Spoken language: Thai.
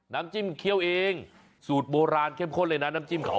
น้ำจิ้มเคี่ยวเองสูตรโบราณเข้มข้นเลยนะน้ำจิ้มเขา